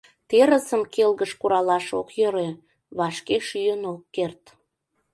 Терысым келгыш куралаш ок йӧрӧ — вашке шӱйын ок керт.